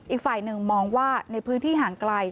อีกฝ่ายหนึ่งมองว่าในพื้นที่ห่างไกล